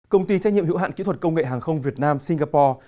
công ty trách nhiệm hữu hạn kỹ thuật công nghệ hàng không việt nam singapore